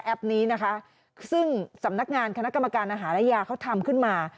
นี้นะคะซึ่งสำนักงานคณะกรรมการอาหารและยาเขาทำขึ้นมา